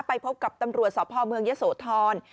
ไปพบกับตำรวจสพเมืองยะโสธร